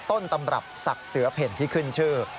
ต้นตำรับศักดิ์เสือเพ่นที่ขึ้นชื่อ